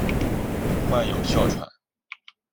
患有哮喘。